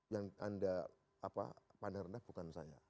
yang anda pandang rendah bukan saya